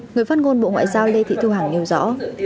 người phát ngôn bộ ngoại giao lê thị thu hằng nêu rõ